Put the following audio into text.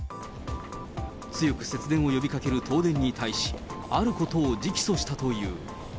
強く節電を呼びかける東電に対し、あることを直訴したという。